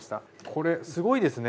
これすごいですね。